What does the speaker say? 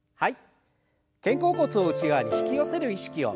はい。